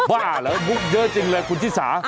บ้าเหรอมุกเยอะจริงเลยคุณชิสา